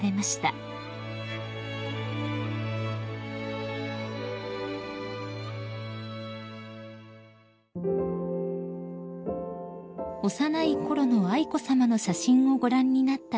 ［幼いころの愛子さまの写真をご覧になったご一家］